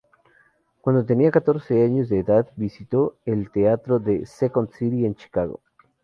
Cuando tenía catorce años de edad, visitó el teatro The Second City, en Chicago.